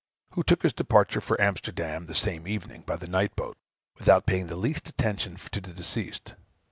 who took his departure for Amsterdam the same evening, by the night boat, without paying the least attention to the deceased.